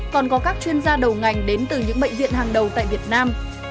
còn có các chuyên gia đầu ngành đến từ những bệnh viện hàng đầu tại việt nam